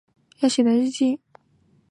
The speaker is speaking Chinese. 康拉德也完成了要写的日记。